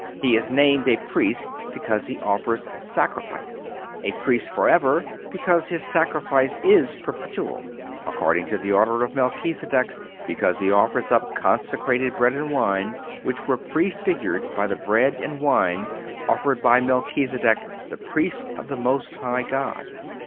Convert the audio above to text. (400) He is named a Priest because He offers sacrifice; a Priest forever because His sacrifice is perpetual; according to the order of Melchisedech because He offers up consecrated bread and wine, which were prefigured by the bread and wine offered by "Melchisedech, the Priest of the Most High God."